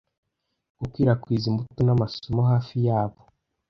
gukwirakwiza imbuto n'amasomo hafi yabo